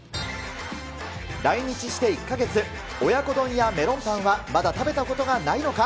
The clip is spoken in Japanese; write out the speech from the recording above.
来日して１か月、親子丼やメロンパンはまだ食べたことがないのか？